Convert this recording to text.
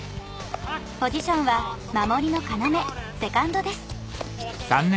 ポジションは守りの要セカンドです